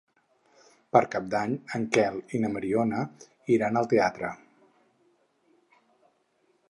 Per Cap d'Any en Quel i na Mariona iran al teatre.